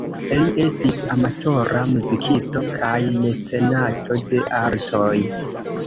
Li estis amatora muzikisto kaj mecenato de artoj.